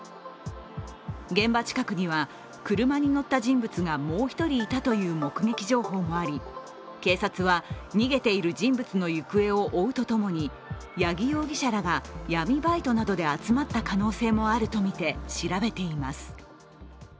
現場近くには、車に乗った人物がもう１人いたという目撃情報もあり警察は逃げている人物の行方を追うとともに八木容疑者らが闇バイトなどで集まった可能性もあるとみて調べています。